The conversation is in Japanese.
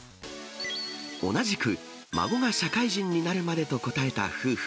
同じく孫が社会人になるまでと答えた夫婦。